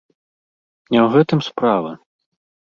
Не ў гэтым справа.